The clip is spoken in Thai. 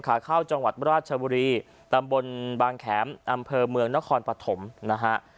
ขาเข้าจังหวัดราชบุรีตำบลบางแขมอำเภอเมืองนครปฐมนะฮะ